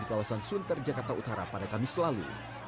di kawasan sunter jakarta utara pada kamis lalu